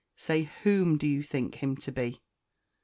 say, "Whom do you think him to be?"